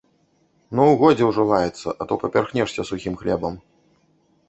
Ну, годзе ўжо лаяцца, а то папярхнешся сухім хлебам.